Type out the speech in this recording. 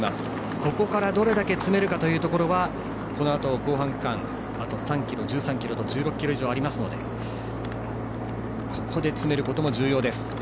ここから、どれだけ詰めるかというのはこのあと後半区間あと３ｋｍ、１３ｋｍ１６ｋｍ以上ありますのでここで詰めることも重要です。